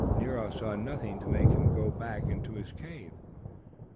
Nero saw nothing to make him go back into his cave.